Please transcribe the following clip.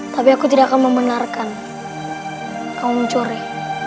tapi aku tidak akan membenarkan kau mencuri